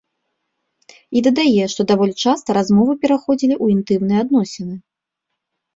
І дадае, што даволі часта размовы пераходзілі ў інтымныя адносіны.